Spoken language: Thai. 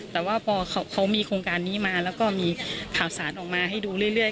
แต่ว่าพอเขามีโครงการนี้มาแล้วก็มีข่าวสารออกมาให้ดูเรื่อย